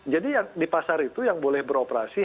jadi di pasar itu yang boleh beroperasi